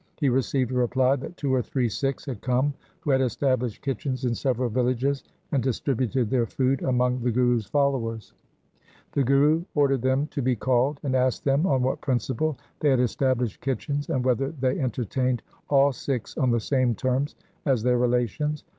He received a reply that two or three Sikhs had come, who had established kitchens in several villages and distributed their food among 1 Sukhmani. 2 Gaund. 286 THE SIKH RELIGION the Guru's followers. The Guru ordered them to be called, and asked them on what principle they had established kitchens, and whether they entertained all Sikhs on the same terms as their relations.